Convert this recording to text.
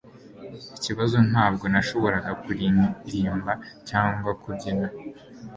Ikibazo ntabwo nashoboraga kuririmba cyangwa kubyina